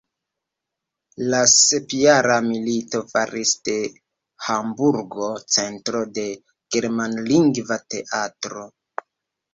La Sepjara milito faris de Hamburgo centro de germanlingva teatro.